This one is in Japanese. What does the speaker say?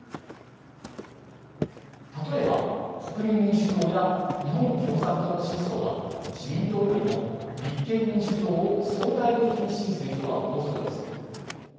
例えば国民民主党や日本共産党の支持層は自民党よりも立憲民主党を相対的に支持する人が多そうです。